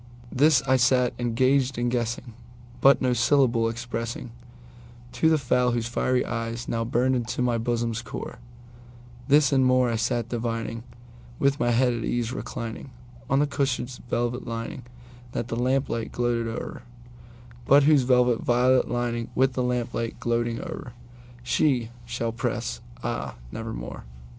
This I sat engaged in guessing, but no syllable expressingTo the fowl whose fiery eyes now burned into my bosom's core; This and more I sat divining, with my head at ease recliningOn the cushion's velvet lining that the lamplight gloated o'er, But whose velvet violet lining with the lamp light gloating o'erShe shall press, ah, nevermore!